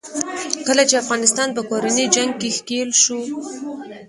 کله چې افغانستان په کورني جنګ کې ښکېل شو.